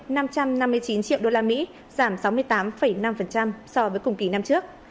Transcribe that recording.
xuất siêu năm năm mươi chín triệu đô la mỹ giảm sáu mươi tám năm so với cùng kỳ năm trước